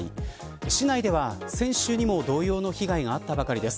市内では先週にも同様の被害があったばかりです。